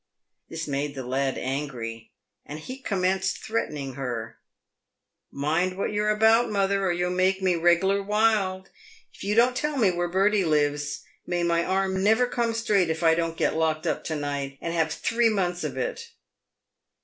This made the lad angry, and he commenced threatening her. " Mind what you're about, mother, or you'll make me reg'lar wild. If you don't tell me where Bertie lives, may my arm never come straight if I don't get locked up to night, and have three months of it."